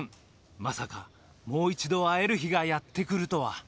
まさか、もう一度会える日がやってくるとは。